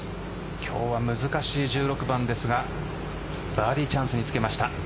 今日は難しい１６番ですがバーディーチャンスにつけました。